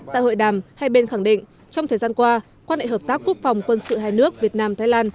tại hội đàm hai bên khẳng định trong thời gian qua quan hệ hợp tác quốc phòng quân sự hai nước việt nam thái lan